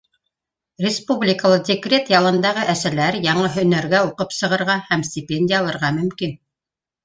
Республикала декрет ялындағы әсәләр яңы һөнәргә уҡып сығырға һәм стипендия алырға мөмкин.